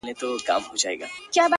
وه ه ته به كله زما شال سې ،